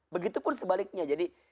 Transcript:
begitu pun sebaliknya jadi